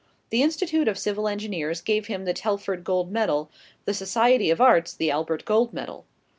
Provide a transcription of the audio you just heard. The Institute of Civil Engineers gave him the Telford Gold Medal; the Society of Arts, the Albert Gold Medal.